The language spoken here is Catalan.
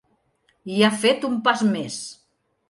I ha fet un pas més.